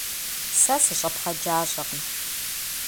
Сэ сыщӏэпхъэджащӏэкъым.